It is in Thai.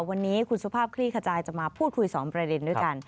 วันนี้คุณสุภาพคลี่ขจายจะมาพูดคุย๒ประเด็นด้วยกัน